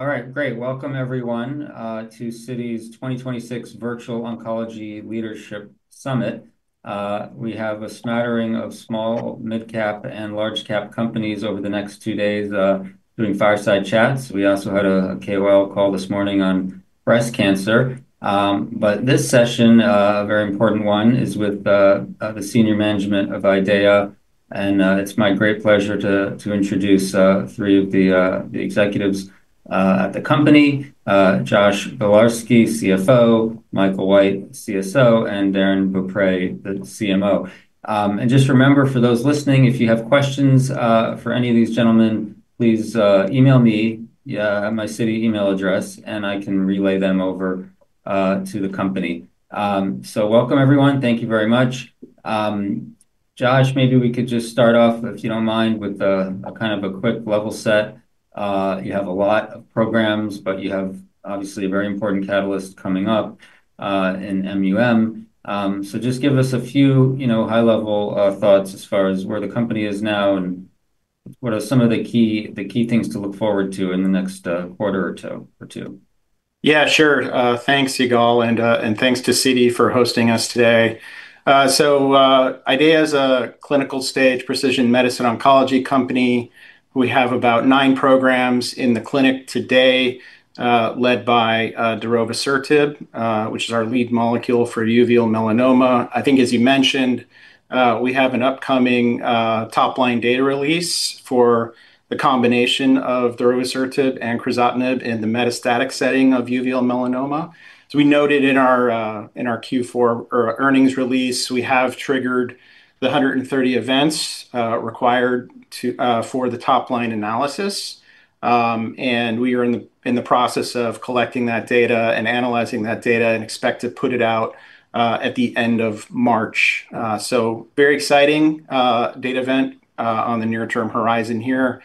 All right, great. Welcome everyone to Citi's 2026 Virtual Oncology Leadership Summit. We have a smattering of small, mid-cap, and large-cap companies over the next two days doing fireside chats. We also had a KOL call this morning on breast cancer. This session, a very important one, is with the senior management of IDEAYA. It's my great pleasure to introduce three of the executives at the company: Joshua Bleharski, CFO; Michael White, CSO; and Darrin Beaupre, the CMO. Just remember, for those listening, if you have questions for any of these gentlemen, please email me at my Citi email address, and I can relay them over to the company. Welcome, everyone. Thank you very much. Josh, maybe we could just start off, if you don't mind, with a kind of a quick level set. You have a lot of programs, but you have obviously a very important catalyst coming up in MUM. So just give us a few, you know, high-level thoughts as far as where the company is now, and what are some of the key, the key things to look forward to in the next quarter or two, or two? Yeah, sure. Thanks, Yigal, and thanks to Citi for hosting us today. IDEAYA is a clinical-stage precision medicine oncology company. We have about nine programs in the clinic today, led by darovasertib, which is our lead molecule for uveal melanoma. I think, as you mentioned, we have an upcoming top-line data release for the combination of darovasertib and crizotinib in the metastatic setting of uveal melanoma. So we noted in our Q4 earnings release, we have triggered the 130 events required for the top-line analysis. And we are in the process of collecting that data and analyzing that data and expect to put it out at the end of March. So very exciting data event on the near-term horizon here.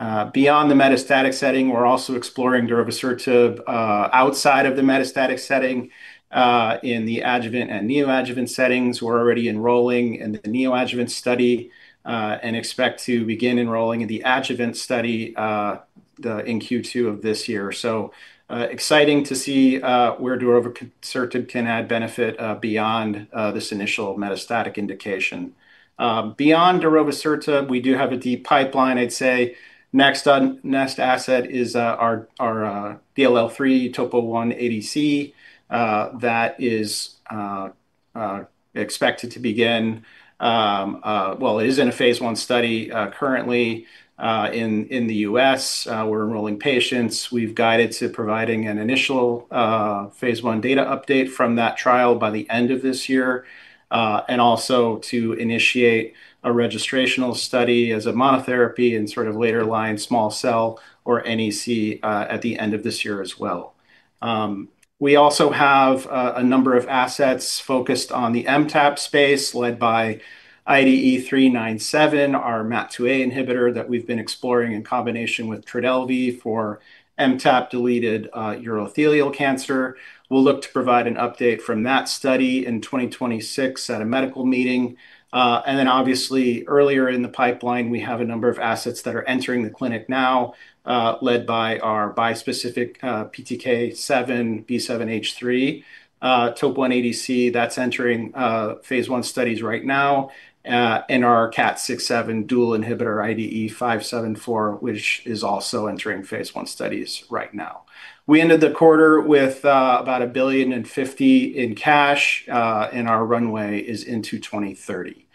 Beyond the metastatic setting, we're also exploring darovasertib outside of the metastatic setting in the adjuvant and neoadjuvant settings. We're already enrolling in the neoadjuvant study and expect to begin enrolling in the adjuvant study in Q2 of this year. So, exciting to see where darovasertib can add benefit beyond this initial metastatic indication. Beyond darovasertib, we do have a deep pipeline. I'd say next asset is our DLL3 TOPO1 ADC that is expected to begin. Well, it is in a phase I study currently in the US. We're enrolling patients. We've guided to providing an initial, phase I data update from that trial by the end of this year, and also to initiate a registrational study as a monotherapy in sort of later-line small cell or NEC, at the end of this year as well. We also have, a number of assets focused on the MTAP space, led by IDE397, our MAT2A inhibitor that we've been exploring in combination with Trodelvy for MTAP-deleted, urothelial cancer. We'll look to provide an update from that study in 2026 at a medical meeting. And then, obviously, earlier in the pipeline, we have a number of assets that are entering the clinic now, led by our bispecific PTK7 B7-H3 TOP1 ADC that's entering phase I studies right now, and our KAT6/KAT7 dual inhibitor, IDE574, which is also entering phase I studies right now. We ended the quarter with about $1.05 billion in cash, and our runway is into 2030.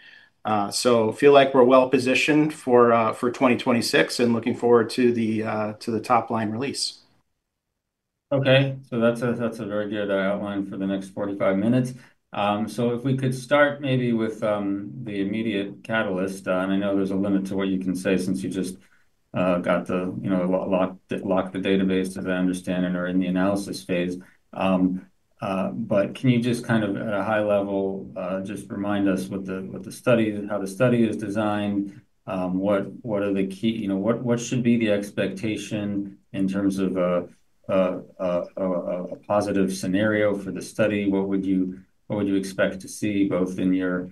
So feel like we're well-positioned for 2026, and looking forward to the top-line release. Okay, so that's a, that's a very good outline for the next 45 minutes. So if we could start maybe with the immediate catalyst, and I know there's a limit to what you can say since you just got the, you know, locked the database, as I understand it, or in the analysis phase. But can you just kind of, at a high level, just remind us what the, what the study- how the study is designed? What, what are the key... You know, what, what should be the expectation in terms of a positive scenario for the study? What would you, what would you expect to see, both in your,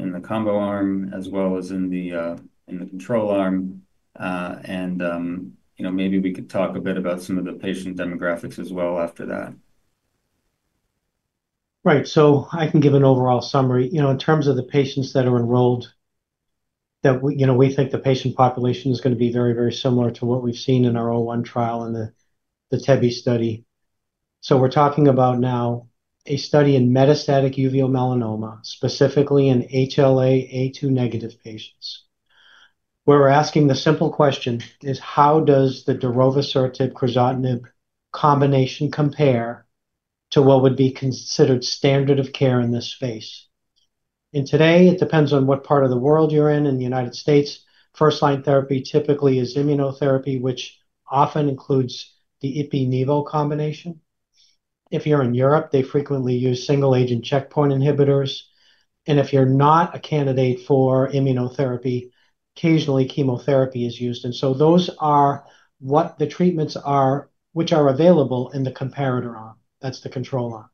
in the combo arm as well as in the, in the control arm? You know, maybe we could talk a bit about some of the patient demographics as well after that. Right. So I can give an overall summary. You know, in terms of the patients that are enrolled, that we, you know, we think the patient population is gonna be very, very similar to what we've seen in our O1 trial and the, the TEBE study. So we're talking about now a study in metastatic uveal melanoma, specifically in HLA-A2 negative patients, where we're asking the simple question: is how does the darovasertib, crizotinib combination compare to what would be considered standard of care in this space? And today, it depends on what part of the world you're in. In the United States, first-line therapy typically is immunotherapy, which often includes the ipi-nivo combination. If you're in Europe, they frequently use single-agent checkpoint inhibitors, and if you're not a candidate for immunotherapy, occasionally chemotherapy is used. Those are what the treatments are, which are available in the comparator arm. That's the control arm.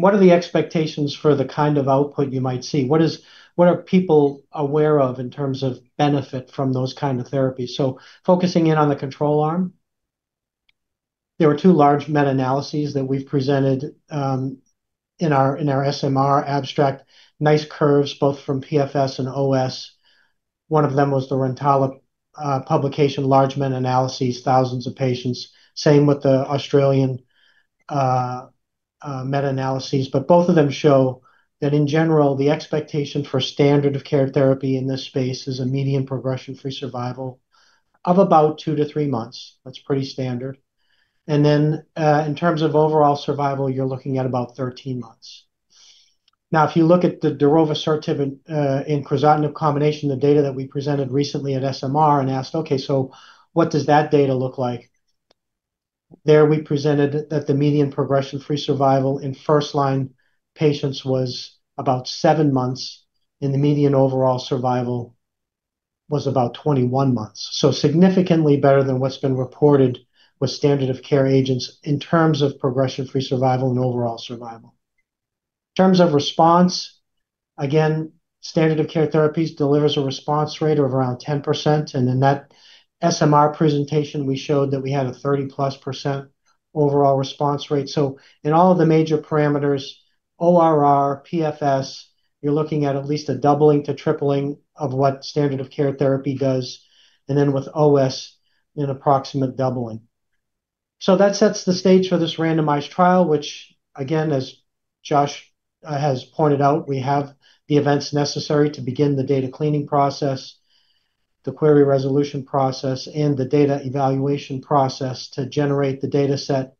What are the expectations for the kind of output you might see? What are people aware of in terms of benefit from those kind of therapies? Focusing in on the control arm, there are two large meta-analyses that we've presented in our SMR abstract. Nice curves, both from PFS and OS. One of them was the Rantala publication, large meta-analyses, thousands of patients. Same with the Australian meta-analyses. But both of them show that, in general, the expectation for standard of care therapy in this space is a median progression-free survival of about 2-3 months. That's pretty standard. In terms of overall survival, you're looking at about 13 months. Now, if you look at the darovasertib, in crizotinib combination, the data that we presented recently at SMR and asked, "Okay, so what does that data look like?" There, we presented that the median progression-free survival in first-line patients was about 7 months, and the median overall survival was about 21 months. Significantly better than what's been reported with standard of care agents in terms of progression-free survival and overall survival. In terms of response, again, standard of care therapies delivers a response rate of around 10%, and in that SMR presentation, we showed that we had a 30+% overall response rate. In all of the major parameters, ORR, PFS, you're looking at at least a doubling to tripling of what standard of care therapy does, and then with OS, an approximate doubling. So that sets the stage for this randomized trial, which, again, as Josh has pointed out, we have the events necessary to begin the data cleaning process, the query resolution process, and the data evaluation process to generate the data set.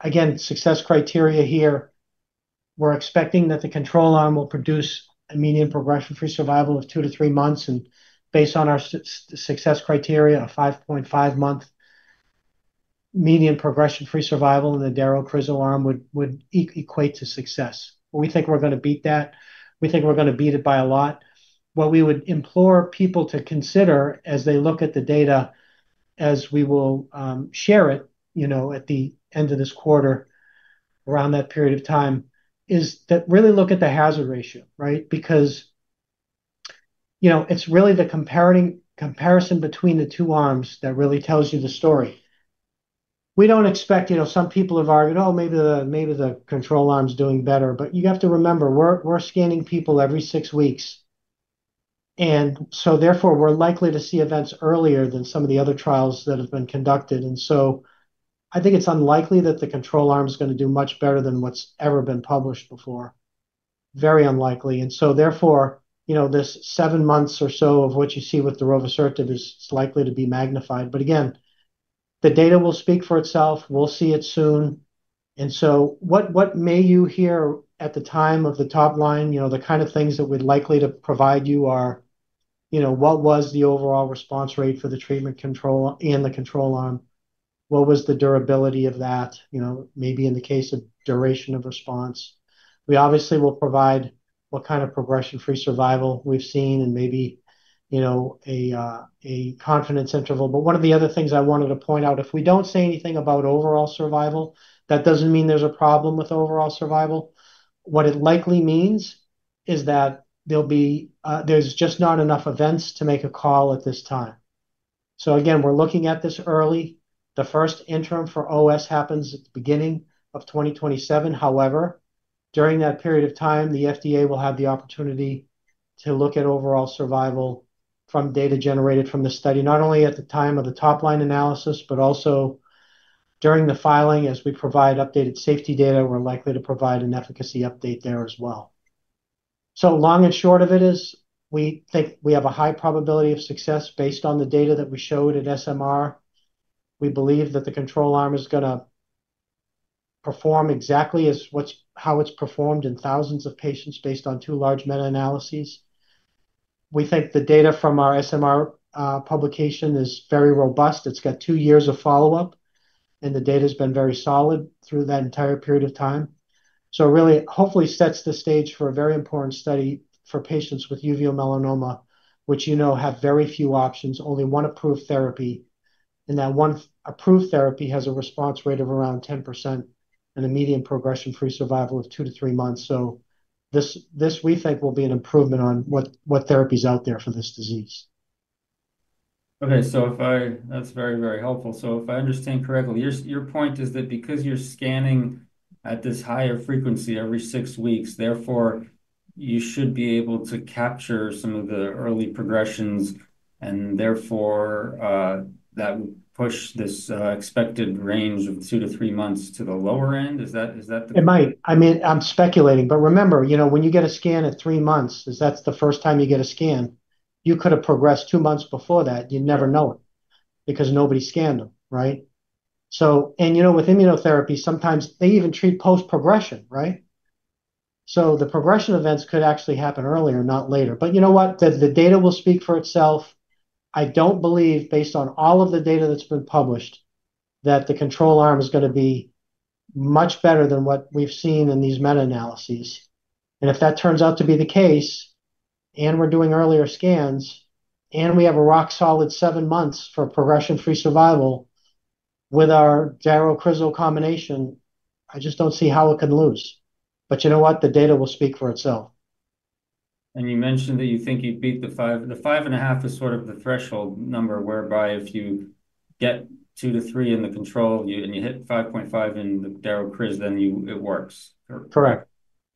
Again, success criteria here, we're expecting that the control arm will produce a median progression-free survival of 2-3 months, and based on our success criteria, a 5.5-month median progression-free survival in the daro criz arm would equate to success. We think we're gonna beat that. We think we're gonna beat it by a lot. What we would implore people to consider as they look at the data, as we will share it, you know, at the end of this quarter, around that period of time, is to really look at the hazard ratio, right? Because, you know, it's really the comparison between the two arms that really tells you the story. We don't expect, you know, some people have argued, "Oh, maybe the control arm's doing better," but you have to remember, we're scanning people every six weeks, and so therefore, we're likely to see events earlier than some of the other trials that have been conducted. And so I think it's unlikely that the control arm is gonna do much better than what's ever been published before. Very unlikely. And so therefore, you know, this seven months or so of what you see with darovasertib is likely to be magnified. But again, the data will speak for itself. We'll see it soon. And so what may you hear at the time of the top line? You know, the kind of things that we're likely to provide you are, you know, what was the overall response rate for the treatment control and the control arm? What was the durability of that? You know, maybe in the case of duration of response. We obviously will provide what kind of progression-free survival we've seen and maybe, you know, a confidence interval. But one of the other things I wanted to point out, if we don't say anything about overall survival, that doesn't mean there's a problem with overall survival. What it likely means is that there'll be, there's just not enough events to make a call at this time. So again, we're looking at this early. The first interim for OS happens at the beginning of 2027. However, during that period of time, the FDA will have the opportunity to look at overall survival from data generated from the study, not only at the time of the top-line analysis, but also during the filing. As we provide updated safety data, we're likely to provide an efficacy update there as well. So long and short of it is, we think we have a high probability of success based on the data that we showed at SMR. We believe that the control arm is gonna perform exactly as how it's performed in thousands of patients based on two large meta-analyses. We think the data from our SMR publication is very robust. It's got two years of follow-up, and the data's been very solid through that entire period of time. So it really hopefully sets the stage for a very important study for patients with uveal melanoma, which, you know, have very few options, only one approved therapy, and that one approved therapy has a response rate of around 10% and a median progression-free survival of 2-3 months. So this, we think, will be an improvement on what therapy is out there for this disease. Okay, so if I... That's very, very helpful. So if I understand correctly, your, your point is that because you're scanning at this higher frequency every 6 weeks, therefore, you should be able to capture some of the early progressions, and therefore, that would push this expected range of 2-3 months to the lower end. Is that, is that the-? It might. I mean, I'm speculating, but remember, you know, when you get a scan at 3 months, if that's the first time you get a scan, you could have progressed 2 months before that. You'd never know it because nobody scanned them, right? So, and, you know, with immunotherapy, sometimes they even treat post-progression, right? So the progression events could actually happen earlier, not later. But you know what? The, the data will speak for itself. I don't believe, based on all of the data that's been published, that the control arm is gonna be much better than what we've seen in these meta-analyses. And if that turns out to be the case... and we're doing earlier scans, and we have a rock-solid 7 months for progression-free survival with our darovasertib crizotinib combination, I just don't see how it can lose. But you know what? The data will speak for itself. You mentioned that you think you'd beat the five. The 5.5 is sort of the threshold number, whereby if you get 2-3 in the control, you, and you hit 5.5 in the daro criz, then you, it works. Correct.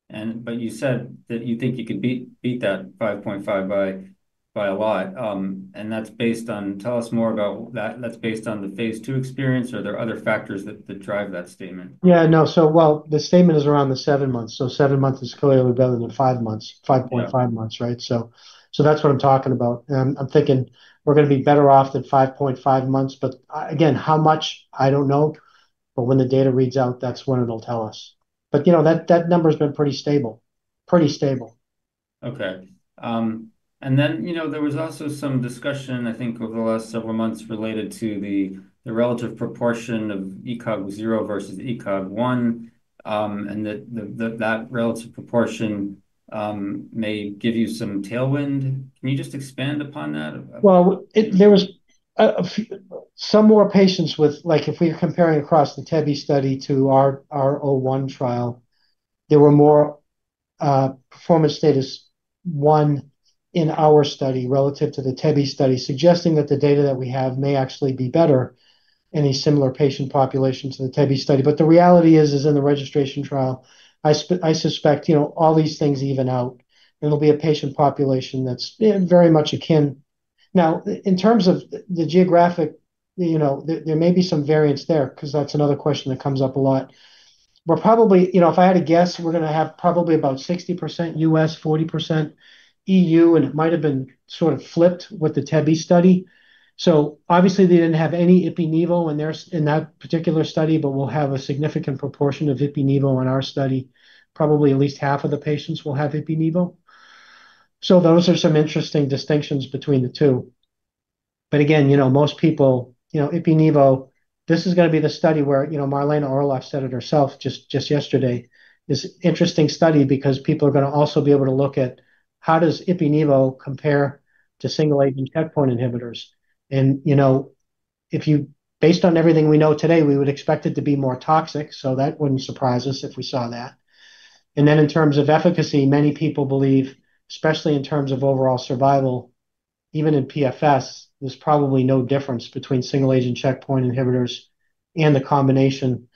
But you said that you think you could beat that 5.5 by a lot, and that's based on... Tell us more about that. That's based on the phase two experience, or are there other factors that drive that statement? Yeah, no. So well, the statement is around the 7 months, so 7 months is clearly better than 5 months- Yeah... 5.5 months, right? So, so that's what I'm talking about, and I'm thinking we're gonna be better off than 5.5 months. But, again, how much? I don't know. But when the data reads out, that's when it'll tell us. But, you know, that, that number's been pretty stable. Pretty stable. Okay. And then, you know, there was also some discussion, I think, over the last several months related to the relative proportion of ECOG 0 versus ECOG 1, and that relative proportion may give you some tailwind. Can you just expand upon that? Well, there were some more patients with, like, if we're comparing across the TEBE study to our, our O1 trial, there were more, performance status 1 in our study relative to the TEBE study, suggesting that the data that we have may actually be better in a similar patient population to the TEBE study. But the reality is, is in the registration trial, I suspect, you know, all these things even out, and it'll be a patient population that's very much akin. Now, in terms of the geographic, you know, there may be some variance there, 'cause that's another question that comes up a lot. We're probably, you know, if I had to guess, we're gonna have probably about 60% U.S., 40% E.U., and it might have been sort of flipped with the TEBE study. So obviously, they didn't have any ipi/nivo in their, in that particular study, but we'll have a significant proportion of ipi/nivo in our study. Probably at least half of the patients will have ipi/nivo. So those are some interesting distinctions between the two. But again, you know, most people, you know, ipi/nivo, this is gonna be the study where, you know, Marlana Orloff said it herself, just, just yesterday. This interesting study, because people are gonna also be able to look at how does ipi/nivo compare to single agent checkpoint inhibitors? And, you know, if you, based on everything we know today, we would expect it to be more toxic, so that wouldn't surprise us if we saw that. Then, in terms of efficacy, many people believe, especially in terms of overall survival, even in PFS, there's probably no difference between single agent checkpoint inhibitors and the combination.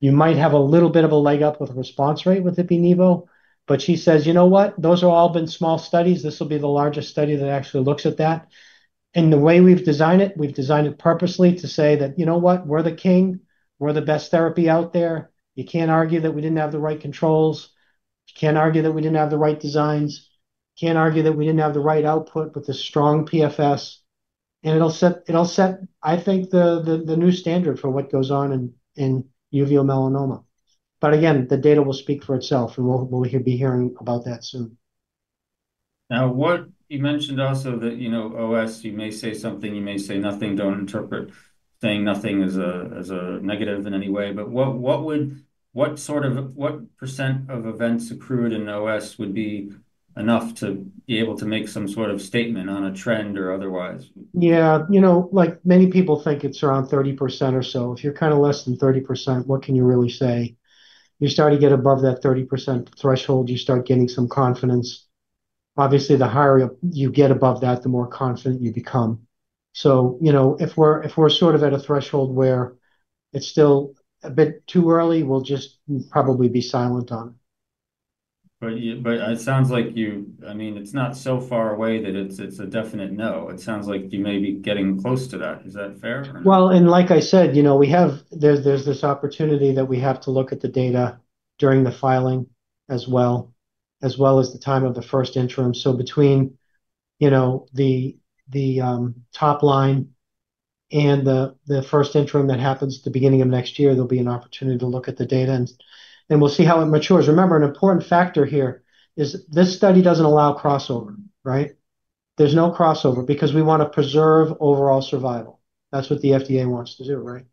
You might have a little bit of a leg up with response rate with ipi nivo, but she says, "You know what? Those have all been small studies. This will be the largest study that actually looks at that." And the way we've designed it, we've designed it purposely to say that, "You know what? We're the king. We're the best therapy out there. You can't argue that we didn't have the right controls. You can't argue that we didn't have the right designs. Can't argue that we didn't have the right output with a strong PFS," and it'll set, I think, the new standard for what goes on in uveal melanoma. But again, the data will speak for itself, and we'll be hearing about that soon. Now, what you mentioned also that, you know, OS, you may say something, you may say nothing, don't interpret saying nothing as a negative in any way. But what would - What sort of, what % of events accrued in OS would be enough to be able to make some sort of statement on a trend or otherwise? Yeah, you know, like many people think it's around 30% or so. If you're kind of less than 30%, what can you really say? You start to get above that 30% threshold, you start getting some confidence. Obviously, the higher up you get above that, the more confident you become. So, you know, if we're sort of at a threshold where it's still a bit too early, we'll just probably be silent on. But yeah, but it sounds like you... I mean, it's not so far away that it's, it's a definite no. It sounds like you may be getting close to that. Is that fair? Well, and like I said, you know, we have, there's this opportunity that we have to look at the data during the filing as well as the time of the first interim. So between, you know, the top line and the first interim that happens the beginning of next year, there'll be an opportunity to look at the data, and we'll see how it matures. Remember, an important factor here is this study doesn't allow crossover, right? There's no crossover because we want to preserve overall survival. That's what the FDA wants to do, right?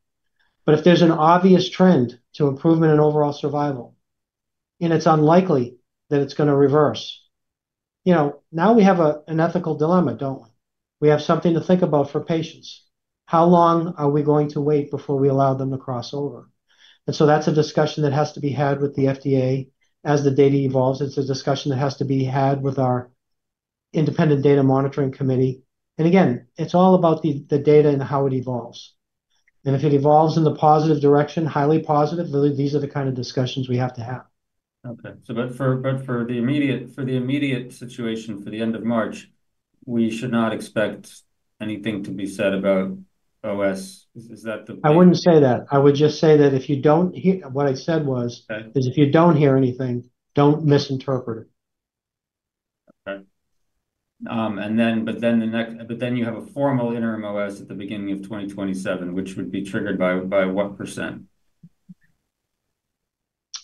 But if there's an obvious trend to improvement in overall survival, and it's unlikely that it's gonna reverse, you know, now we have an ethical dilemma, don't we? We have something to think about for patients. How long are we going to wait before we allow them to cross over? And so that's a discussion that has to be had with the FDA as the data evolves. It's a discussion that has to be had with our independent data monitoring committee. And again, it's all about the data and how it evolves. And if it evolves in the positive direction, highly positive, really, these are the kind of discussions we have to have. Okay. So but for the immediate situation, for the end of March, we should not expect anything to be said about OS. Is that the- I wouldn't say that. I would just say that if you don't hear... What I said was- Okay... is if you don't hear anything, don't misinterpret it. Okay. And then you have a formal interim OS at the beginning of 2027, which would be triggered by what %?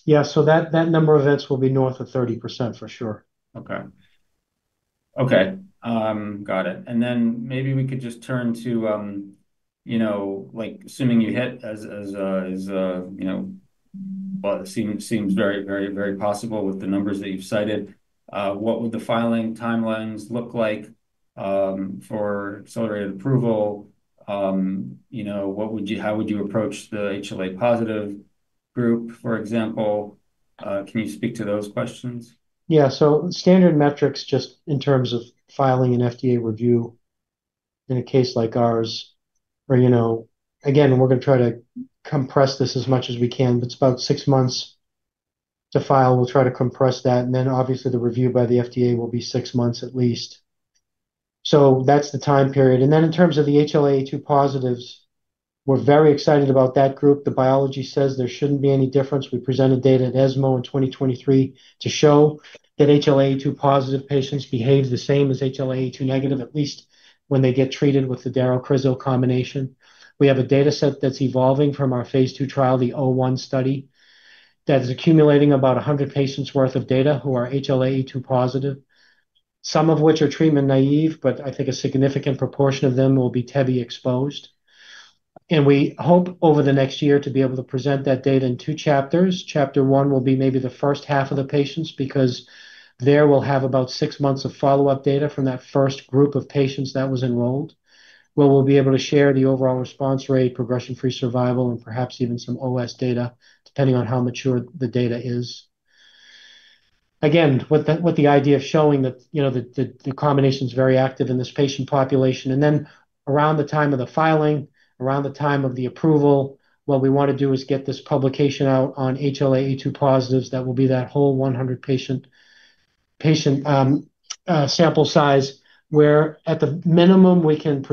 Yeah, so that, that number of events will be north of 30%, for sure. Okay. Okay, got it. And then maybe we could just turn to, you know, like assuming you hit as a, you know, well, it seems very, very, very possible with the numbers that you've cited. What would the filing timelines look like for accelerated approval? You know, what would you-how would you approach the HLA positive group, for example? Can you speak to those questions? Yeah, so standard metrics, just in terms of filing an FDA review in a case like ours, where, you know... Again, we're gonna try to compress this as much as we can, but it's about 6 months to file. We'll try to compress that, and then obviously, the review by the FDA will be 6 months at least. So that's the time period. And then, in terms of the HLA-A2 positives, we're very excited about that group. The biology says there shouldn't be any difference. We presented data at ESMO in 2023 to show that HLA-A2 positive patients behave the same as HLA-A2 negative, at least when they get treated with the darovasertib combination. We have a data set that's evolving from our phase 2 trial, the O1 study, that is accumulating about 100 patients' worth of data who are HLA-A2 positive, some of which are treatment naive, but I think a significant proportion of them will be tebentafusp exposed. We hope over the next year to be able to present that data in 2 chapters. Chapter 1 will be maybe the first half of the patients, because there we'll have about 6 months of follow-up data from that first group of patients that was enrolled, where we'll be able to share the overall response rate, progression-free survival, and perhaps even some OS data, depending on how mature the data is. Again, with the idea of showing that, you know, the combination is very active in this patient population. Around the time of the filing, around the time of the approval, what we want to do is get this publication out on HLA-A2 positives. That will be that whole 100-patient sample size, where at the minimum, we can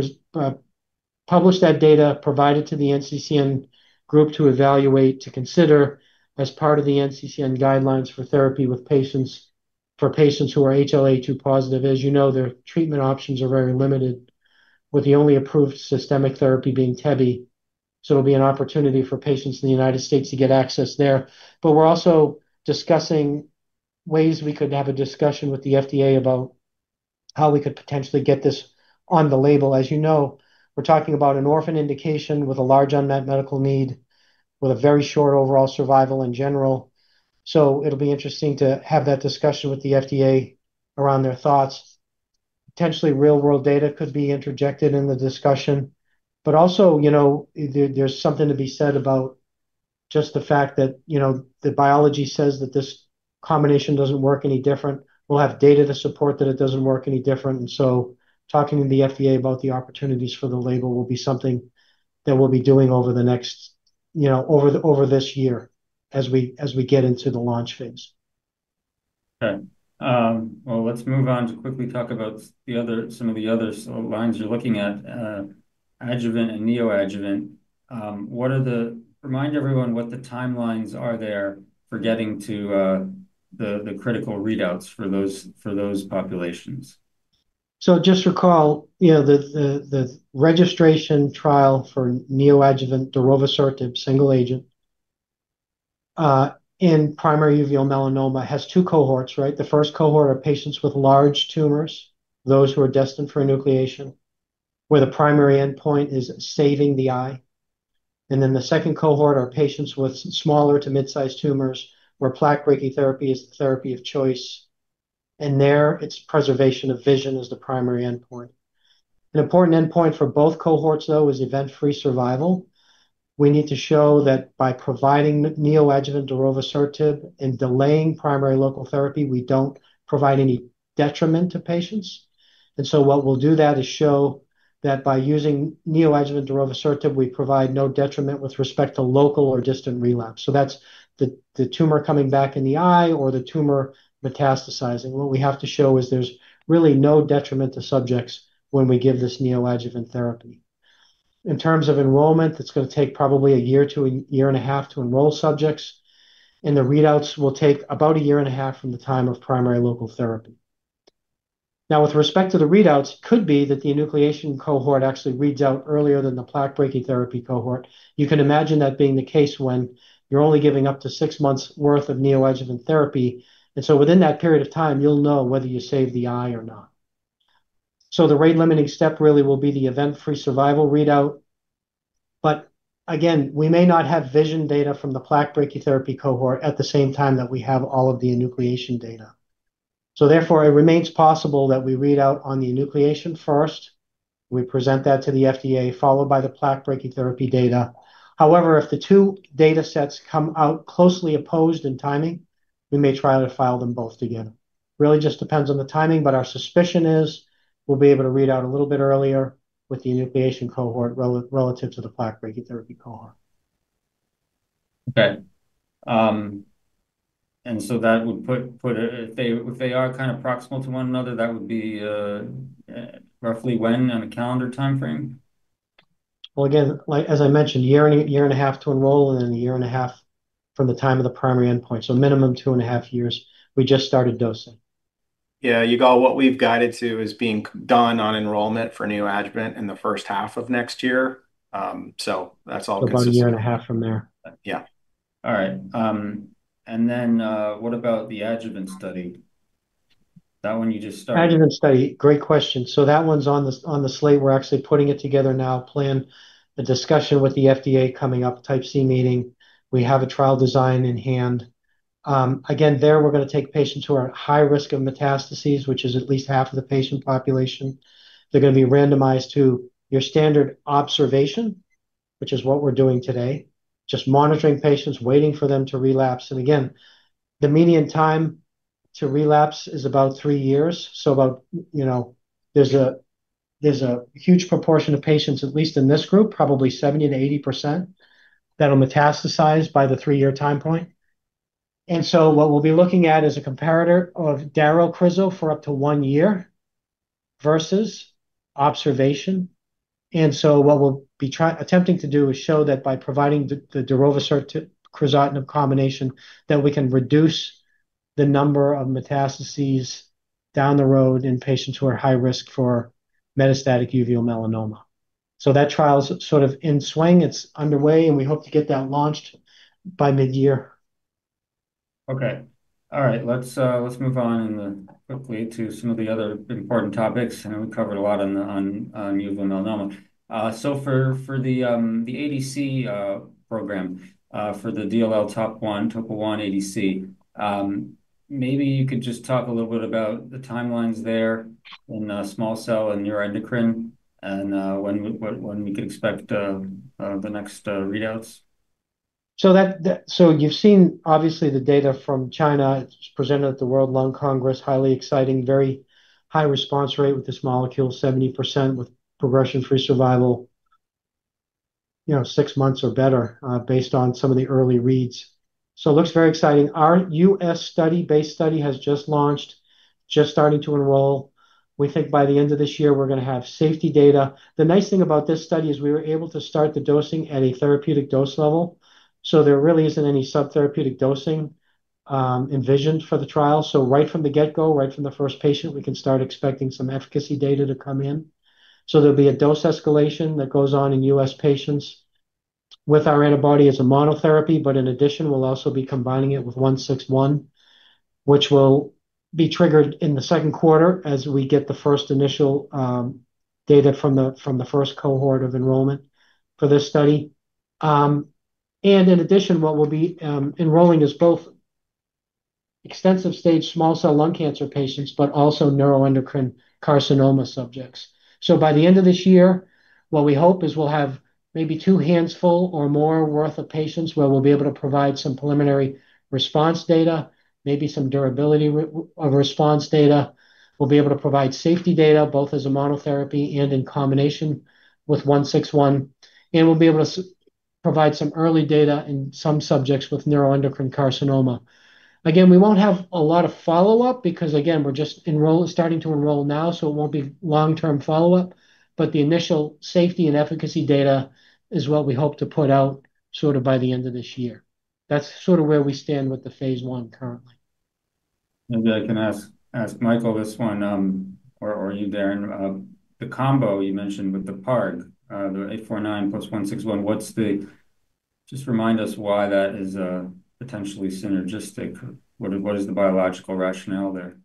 publish that data, provide it to the NCCN group to evaluate, to consider as part of the NCCN guidelines for therapy for patients who are HLA-A2 positive. As you know, their treatment options are very limited, with the only approved systemic therapy being tebentafusp. So it'll be an opportunity for patients in the United States to get access there. But we're also discussing ways we could have a discussion with the FDA about how we could potentially get this on the label. As you know, we're talking about an orphan indication with a large unmet medical need, with a very short overall survival in general. So it'll be interesting to have that discussion with the FDA around their thoughts. Potentially, real-world data could be interjected in the discussion, but also, you know, there's something to be said about just the fact that, you know, the biology says that this combination doesn't work any different. We'll have data to support that it doesn't work any different. And so talking to the FDA about the opportunities for the label will be something that we'll be doing over the next, you know, over this year as we get into the launch phase. Okay, well, let's move on to quickly talk about the other, some of the other sort of lines you're looking at, adjuvant and neoadjuvant. What are the... Remind everyone what the timelines are there for getting to, the, the critical readouts for those, for those populations. So just recall, you know, the registration trial for neoadjuvant darovasertib, single agent, in primary uveal melanoma, has two cohorts, right? The first cohort are patients with large tumors, those who are destined for enucleation, where the primary endpoint is saving the eye. And then the second cohort are patients with smaller to mid-sized tumors, where plaque brachytherapy is the therapy of choice, and there, it's preservation of vision is the primary endpoint. An important endpoint for both cohorts, though, is event-free survival. We need to show that by providing neoadjuvant darovasertib and delaying primary local therapy, we don't provide any detriment to patients. And so what we'll do that is show that by using neoadjuvant darovasertib, we provide no detriment with respect to local or distant relapse. So that's the tumor coming back in the eye or the tumor metastasizing. What we have to show is there's really no detriment to subjects when we give this neoadjuvant therapy. In terms of enrollment, it's gonna take probably a year to a year and a half to enroll subjects, and the readouts will take about a year and a half from the time of primary local therapy. Now, with respect to the readouts, could be that the enucleation cohort actually reads out earlier than the plaque brachytherapy cohort. You can imagine that being the case when you're only giving up to 6 months' worth of neoadjuvant therapy, and so within that period of time, you'll know whether you saved the eye or not. So the rate-limiting step really will be the event-free survival readout. But again, we may not have vision data from the plaque brachytherapy cohort at the same time that we have all of the enucleation data. So therefore, it remains possible that we read out on the enucleation first. We present that to the FDA, followed by the plaque brachytherapy data. However, if the two datasets come out closely opposed in timing, we may try to file them both together. Really just depends on the timing, but our suspicion is we'll be able to read out a little bit earlier with the enucleation cohort relative to the plaque brachytherapy cohort. Okay, and so that would put it... If they are kind of proximal to one another, that would be roughly when on a calendar timeframe? Well, again, like, as I mentioned, a year and a half to enroll, and then a year and a half from the time of the primary endpoint. So minimum two and a half years. We just started dosing. Yeah, you got what we've guided to is being done on enrollment for neoadjuvant in the first half of next year. So that's all consistent. About a year and a half from there. Yeah. All right, and then, what about the adjuvant study? ... That one you just started? Adjuvant study. Great question. So that one's on the slate. We're actually putting it together now, plan a discussion with the FDA coming up, type C meeting. We have a trial design in hand. Again, there, we're gonna take patients who are at high risk of metastases, which is at least half of the patient population. They're gonna be randomized to your standard observation, which is what we're doing today, just monitoring patients, waiting for them to relapse. And again, the median time to relapse is about 3 years. So about, you know, there's a huge proportion of patients, at least in this group, probably 70%-80%, that'll metastasize by the 3-year time point. And so what we'll be looking at is a comparator of darovasertib for up to 1 year versus observation. What we'll be attempting to do is show that by providing the darovasertib-crizotinib combination, we can reduce the number of metastases down the road in patients who are high risk for metastatic uveal melanoma. That trial is sort of in swing. It's underway, and we hope to get that launched by mid-year. Okay. All right, let's move on then, quickly to some of the other important topics, and we covered a lot on uveal melanoma. So for the ADC program for the DLL3 topo-1, topo-1 ADC, maybe you could just talk a little bit about the timelines there in small cell and neuroendocrine, and when we can expect the next readouts. So you've seen, obviously, the data from China. It's presented at the World Lung Congress, highly exciting, very high response rate with this molecule, 70%, with progression-free survival, you know, six months or better, based on some of the early reads. So it looks very exciting. Our US study, base study, has just launched, just starting to enroll. We think by the end of this year, we're gonna have safety data. The nice thing about this study is we were able to start the dosing at a therapeutic dose level, so there really isn't any subtherapeutic dosing, envisioned for the trial. So right from the get-go, right from the first patient, we can start expecting some efficacy data to come in. There'll be a dose escalation that goes on in U.S. patients with our antibody as a monotherapy, but in addition, we'll also be combining it with 161, which will be triggered in the second quarter as we get the first initial data from the first cohort of enrollment for this study. In addition, what we'll be enrolling is both extensive stage small cell lung cancer patients, but also neuroendocrine carcinoma subjects. By the end of this year, what we hope is we'll have maybe two hands full or more worth of patients, where we'll be able to provide some preliminary response data, maybe some durability of response data. We'll be able to provide safety data, both as a monotherapy and in combination with IDE161, and we'll be able to provide some early data in some subjects with neuroendocrine carcinoma. Again, we won't have a lot of follow-up because, again, we're just starting to enroll now, so it won't be long-term follow-up, but the initial safety and efficacy data is what we hope to put out sort of by the end of this year. That's sort of where we stand with the phase 1 currently. Maybe I can ask Michael this one, or are you there? In the combo you mentioned with the PARP, the 849 + 161, what's the... Just remind us why that is potentially synergistic. What is the biological rationale there?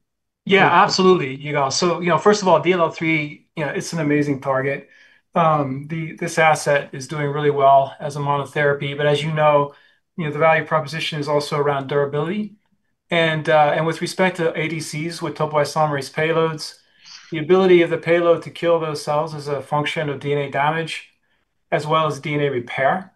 Yeah, absolutely, Yigal. So, you know, first of all, DLL3, you know, it's an amazing target. The-- this asset is doing really well as a monotherapy, but as you know, you know, the value proposition is also around durability. And, and with respect to ADCs, with topoisomerase payloads, the ability of the payload to kill those cells is a function of DNA damage as well as DNA repair.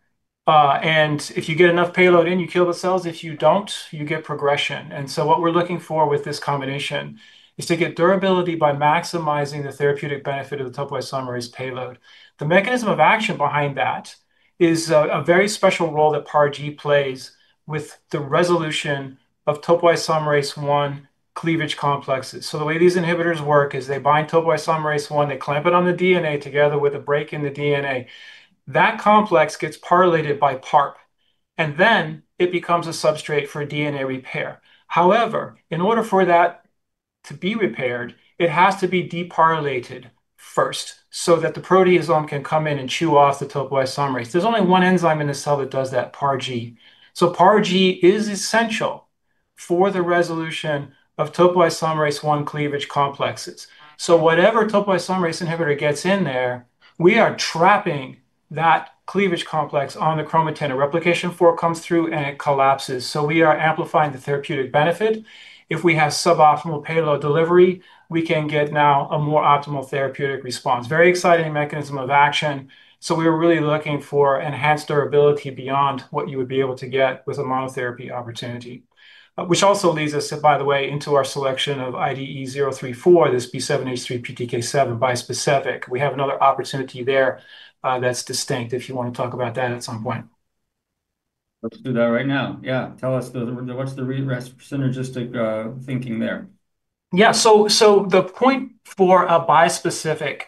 And if you get enough payload in, you kill the cells. If you don't, you get progression. And so what we're looking for with this combination is to get durability by maximizing the therapeutic benefit of the topoisomerase payload. The mechanism of action behind that is a very special role that PARG plays with the resolution of topoisomerase one cleavage complexes. So the way these inhibitors work is they bind topoisomerase-1, they clamp it on the DNA together with a break in the DNA. That complex gets PARylated by PARP, and then it becomes a substrate for DNA repair. However, in order for that to be repaired, it has to be dePARylated first, so that the proteasome can come in and chew off the topoisomerase. There's only one enzyme in the cell that does that, PARG. So PARG is essential for the resolution of topoisomerase-1 cleavage complexes. So whatever topoisomerase inhibitor gets in there, we are trapping that cleavage complex on the chromatin, and replication fork comes through, and it collapses. So we are amplifying the therapeutic benefit. If we have suboptimal payload delivery, we can get now a more optimal therapeutic response. Very exciting mechanism of action. So we're really looking for enhanced durability beyond what you would be able to get with a monotherapy opportunity. Which also leads us, by the way, into our selection of IDE034, this B7-H3 PTK7 bispecific. We have another opportunity there, that's distinct, if you wanna talk about that at some point. Let's do that right now. Yeah, tell us, what's the synergistic thinking there? Yeah, the point for a bispecific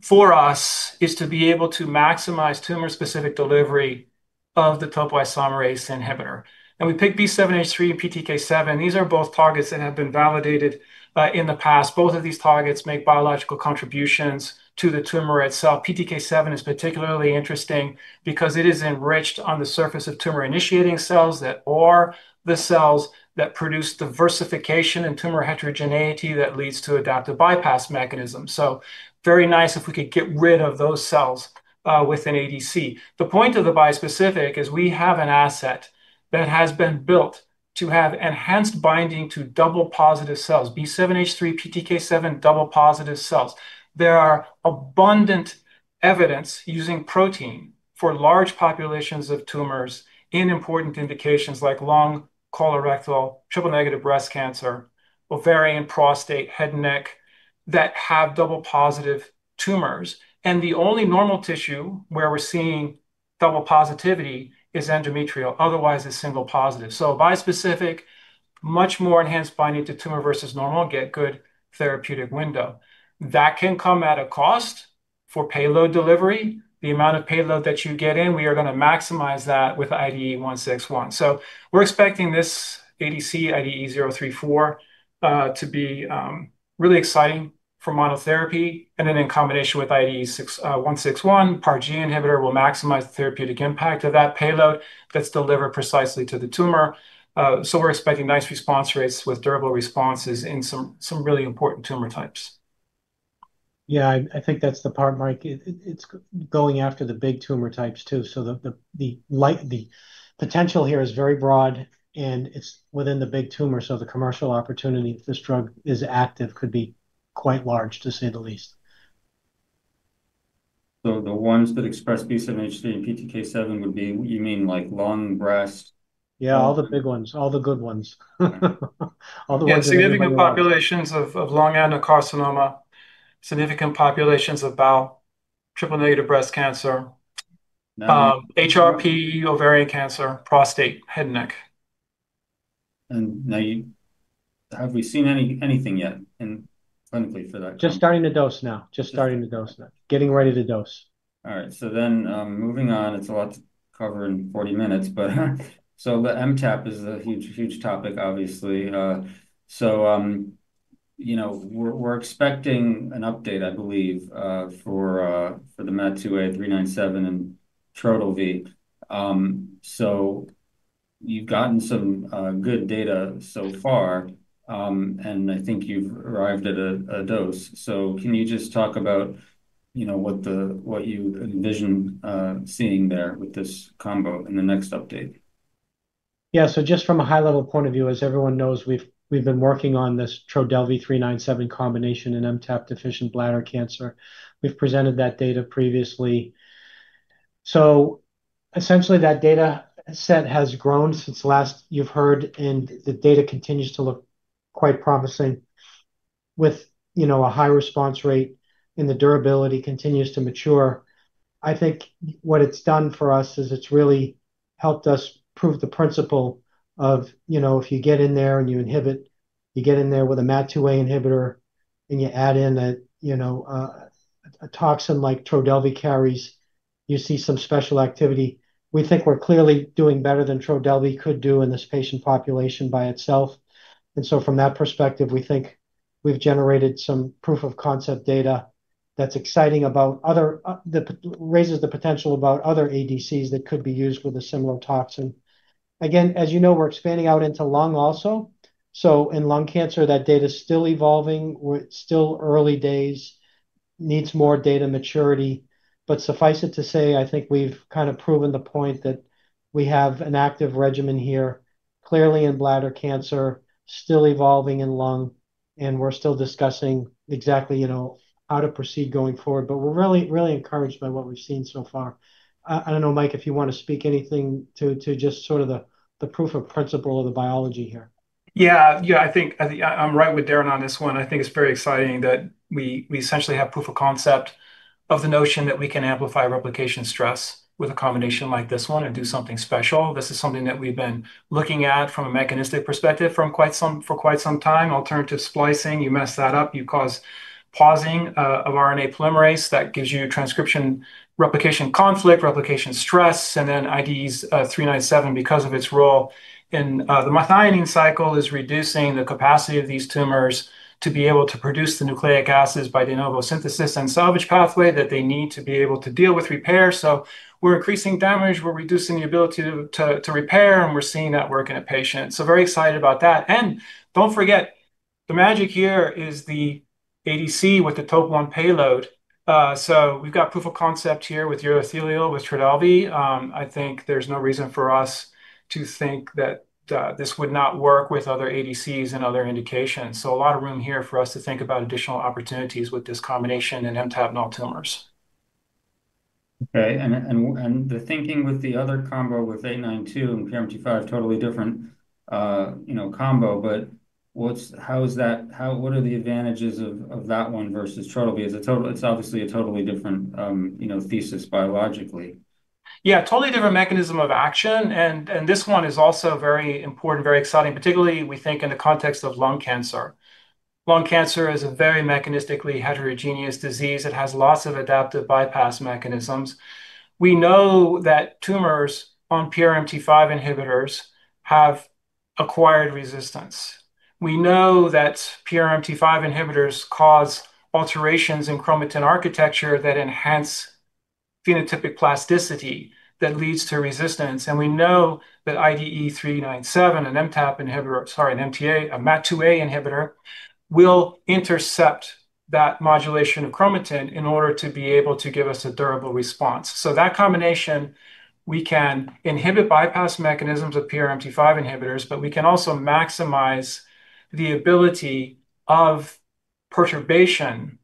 for us is to be able to maximize tumor-specific delivery of the topoisomerase inhibitor. We picked B7-H3 and PTK7. These are both targets that have been validated in the past. Both of these targets make biological contributions to the tumor itself. PTK7 is particularly interesting because it is enriched on the surface of tumor-initiating cells that are the cells that produce diversification and tumor heterogeneity that leads to adaptive bypass mechanism. Very nice if we could get rid of those cells within ADC. The point of the bispecific is we have an asset that has been built to have enhanced binding to double-positive cells, B7-H3, PTK7, double-positive cells. There are abundant evidence using protein for large populations of tumors in important indications like lung, colorectal, triple-negative breast cancer, ovarian, prostate, head and neck, that have double-positive tumors. And the only normal tissue where we're seeing double positivity is endometrial; otherwise, it's single positive. So bispecific, much more enhanced binding to tumor versus normal, get good therapeutic window. That can come at a cost for payload delivery. The amount of payload that you get in, we are going to maximize that with IDE161. So we're expecting this ADC, IDE034, to be, really exciting for monotherapy, and then in combination with IDE161, PARP inhibitor will maximize the therapeutic impact of that payload that's delivered precisely to the tumor. So we're expecting nice response rates with durable responses in some, some really important tumor types. Yeah, I think that's the part, Mike. It's going after the big tumor types, too. So the potential here is very broad, and it's within the big tumor, so the commercial opportunity, if this drug is active, could be quite large, to say the least. The ones that express B7-H3 and PTK7 would be, you mean, like, lung, breast? Yeah, all the big ones, all the good ones. All the ones- Yeah, significant populations of lung adenocarcinoma, significant populations of bowel, triple-negative breast cancer- HRPE ovarian cancer, prostate, head and neck. Now, have we seen anything yet in clinically for that? Just starting to dose now. Just starting to dose now. Getting ready to dose. All right. So then, moving on, it's a lot to cover in 40 minutes, but so the MTAP is a huge, huge topic, obviously. You know, we're expecting an update, I believe, for the MAT2A, IDE397 and Trodelvy. You've gotten some good data so far, and I think you've arrived at a dose. So can you just talk about, you know, what you envision seeing there with this combo in the next update? Yeah. So just from a high-level point of view, as everyone knows, we've, we've been working on this Trodelvy 397 combination in MTAP-deficient bladder cancer. We've presented that data previously. So essentially, that data set has grown since last you've heard, and the data continues to look quite promising with, you know, a high response rate, and the durability continues to mature. I think what it's done for us is it's really helped us prove the principle of, you know, if you get in there and you inhibit, you get in there with a MAT2A inhibitor, and you add in a, you know, a toxin like Trodelvy carries, you see some special activity. We think we're clearly doing better than Trodelvy could do in this patient population by itself. And so from that perspective, we think we've generated some proof of concept data that's exciting about other, that raises the potential about other ADCs that could be used with a similar toxin. Again, as you know, we're expanding out into lung also. So in lung cancer, that data is still evolving. We're still early days, needs more data maturity. But suffice it to say, I think we've proven the point that we have an active regimen here, clearly in bladder cancer, still evolving in lung, and we're still discussing exactly, you know, how to proceed going forward. But we're really, really encouraged by what we've seen so far. I don't know, Mike, if you want to speak anything to just sort of the proof of principle of the biology here. Yeah, yeah, I think, I, I'm right with Darrin on this one. I think it's very exciting that we, we essentially have proof of concept of the notion that we can amplify replication stress with a combination like this one and do something special. This is something that we've been looking at from a mechanistic perspective for quite some time. Alternative splicing, you mess that up, you cause pausing of RNA polymerase. That gives you transcription, replication, conflict, replication stress, and then IDE397, because of its role in the methionine cycle, is reducing the capacity of these tumors to be able to produce the nucleic acids by de novo synthesis and salvage pathway that they need to be able to deal with repair. So we're increasing damage, we're reducing the ability to repair, and we're seeing that work in a patient. So very excited about that. And don't forget, the magic here is the ADC with the topo-1 payload. So we've got proof of concept here with urothelial, with Trodelvy. I think there's no reason for us to think that this would not work with other ADCs and other indications. So a lot of room here for us to think about additional opportunities with this combination in MTAP null tumors. Okay. And the thinking with the other combo, with IDE892 and PRMT5, totally different, you know, combo, but what's— How is that... How— What are the advantages of that one versus Trodelvy? It's a totally— It's obviously a totally different, you know, thesis biologically. Yeah, totally different mechanism of action, and, and this one is also very important, very exciting, particularly, we think, in the context of lung cancer.... Lung cancer is a very mechanistically heterogeneous disease. It has lots of adaptive bypass mechanisms. We know that tumors on PRMT5 inhibitors have acquired resistance. We know that PRMT5 inhibitors cause alterations in chromatin architecture that enhance phenotypic plasticity, that leads to resistance. And we know that IDE397, an MTAP inhibitor, sorry, an MTA, a MAT2A inhibitor, will intercept that modulation of chromatin in order to be able to give us a durable response. So that combination, we can inhibit bypass mechanisms of PRMT5 inhibitors, but we can also maximize the ability of perturbation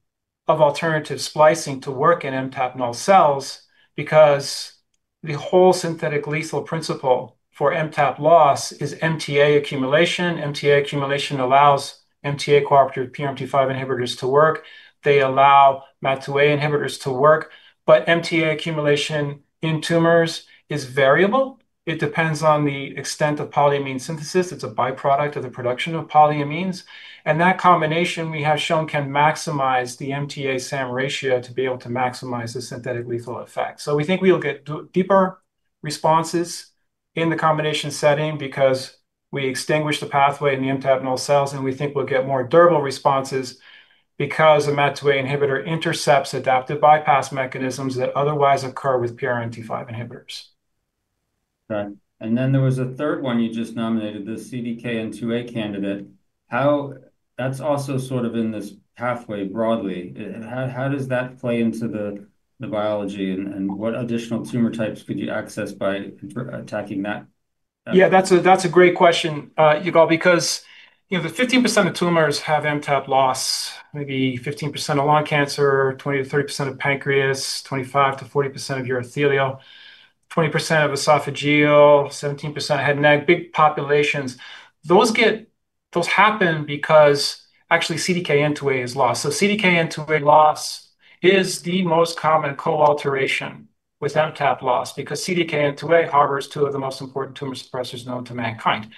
of alternative splicing to work in MTAP null cells, because the whole synthetic lethal principle for MTAP loss is MTA accumulation. MTA accumulation allows MTA cooperative PRMT5 inhibitors to work. They allow MAT2A inhibitors to work, but MTA accumulation in tumors is variable. It depends on the extent of polyamine synthesis. It's a byproduct of the production of polyamines, and that combination, we have shown, can maximize the MTA SAM ratio to be able to maximize the synthetic lethal effect. So we think we will get deeper responses in the combination setting because we extinguish the pathway in the MTAP null cells, and we think we'll get more durable responses because a MAT2A inhibitor intercepts adaptive bypass mechanisms that otherwise occur with PRMT5 inhibitors. Right. And then there was a third one you just nominated, the CDKN2A candidate. How... That's also sort of in this pathway broadly. How does that play into the biology, and what additional tumor types could you access by counter-attacking that? Yeah, that's a, that's a great question, uh, Yigal, because, you know, the 15% of tumors have MTAP loss, maybe 15% of lung cancer, 20%-30% of pancreas, 25%-40% of urothelial, 20% of esophageal, 17% of head and neck, big populations. Those get those happen because actually CDKN2A is lost. So CDKN2A loss is the most common co-alteration with MTAP loss, because CDKN2A harbors two of the most important tumor suppressors known to mankind.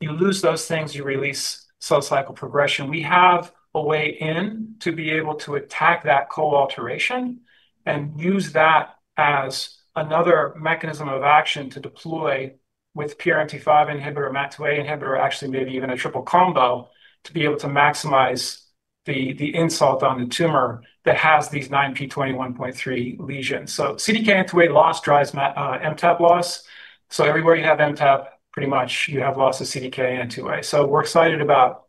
You lose those things, you release cell cycle progression. We have a way in to be able to attack that co-alteration and use that as another mechanism of action to deploy with PRMT5 inhibitor, MAT2A inhibitor, or actually maybe even a triple combo, to be able to maximize the, the insult on the tumor that has these 9p21.3 lesions. So CDKN2A loss drives MTAP loss. So everywhere you have MTAP, pretty much you have loss of CDKN2A. So we're excited about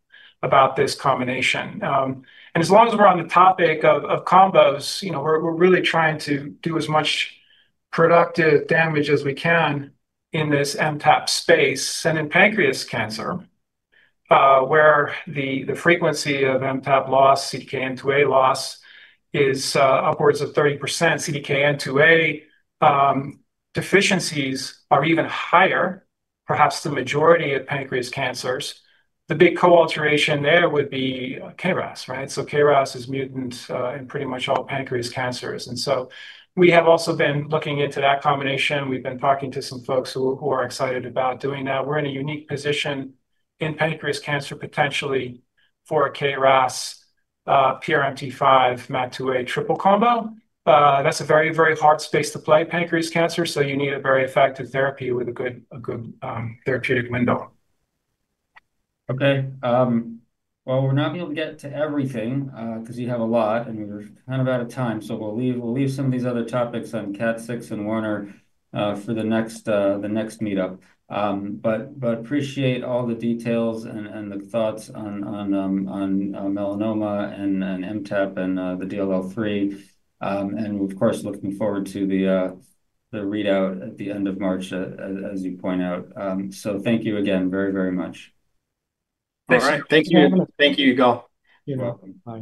this combination. And as long as we're on the topic of combos, you know, we're really trying to do as much productive damage as we can in this MTAP space and in pancreatic cancer, where the frequency of MTAP loss, CDKN2A loss is upwards of 30%. CDKN2A deficiencies are even higher, perhaps the majority of pancreatic cancers. The big co-alteration there would be KRAS, right? So KRAS is mutant in pretty much all pancreatic cancers, and so we have also been looking into that combination. We've been talking to some folks who are excited about doing that. We're in a unique position in pancreatic cancer, potentially for a KRAS PRMT5 MAT2A triple combo. That's a very, very hard space to play, pancreas cancer, so you need a very effective therapy with a good therapeutic window. Okay, well, we're not going to be able to get to everything, because you have a lot, and we're kind of out of time. So we'll leave some of these other topics on KAT6 and Werner for the next meetup. But appreciate all the details and the thoughts on melanoma and MTAP and the DLL3. And we're, of course, looking forward to the readout at the end of March, as you point out. So thank you again, very, very much. All right. Thank you. Thank you, Yigal. You're welcome. Bye.